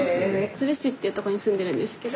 都留市っていうとこに住んでるんですけど。